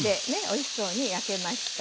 おいしそうに焼けました。